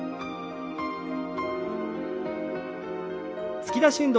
突き出し運動。